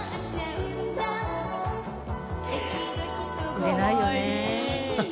売れないよね。